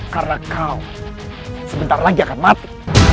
karena kau sebentar lagi akan mati